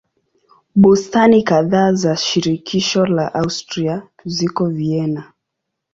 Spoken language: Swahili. Bustani kadhaa za shirikisho la Austria ziko Vienna.